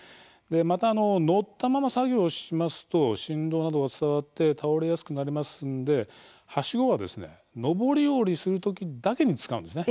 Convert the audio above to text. また乗ったまま作業をしますと振動などが伝わって倒れやすくなりますのではしごは昇り降りする時だけに使うんですね。